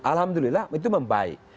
alhamdulillah itu membaik